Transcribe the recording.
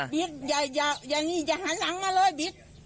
บิดอย่าหันหลังมาเลยบิด